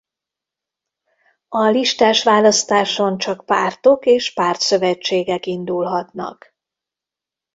A listás választáson csak pártok és pártszövetségek indulhatnak.